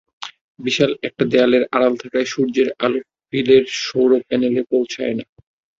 বিশাল একটি দেয়ালের আড়াল থাকায় সূর্যের আলো ফিলের সৌর প্যানেলে পৌঁছায় না।